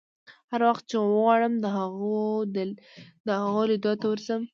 هر وخت چې وغواړم د هغو لیدو ته ورځم.